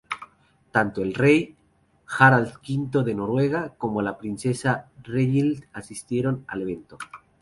Tanto el rey, Harald V de Noruega, como la princesa Ragnhild asistieron al evento.